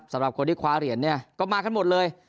สำหรับคนที่คว้าเหรียญเนี่ยก็มากันหมดเลย